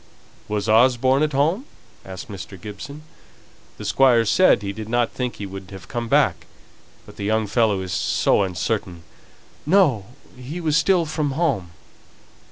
"Was Osborne at home?" asked Mr. Gibson. "The Squire said he did not think he would have come back; but the young fellow is so uncertain " "No, he was still from home."